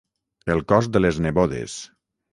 El cos de les nebodes.